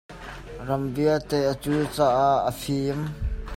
Ram vialte a cul caah a fim.